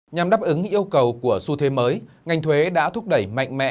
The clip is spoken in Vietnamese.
nhằm đáp ứng yêu cầu của xu thế mới ngành thuế đã thúc đẩy mạnh mẽ